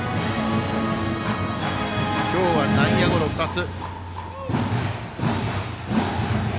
今日は内野ゴロ２つ。